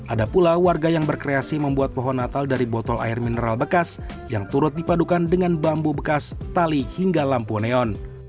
ada pula warga yang berkreasi membuat pohon natal dari botol air mineral bekas yang turut dipadukan dengan bambu bekas tali hingga lampu neon